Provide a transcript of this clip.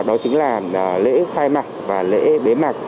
đó chính là lễ khai mạc và lễ bế mạc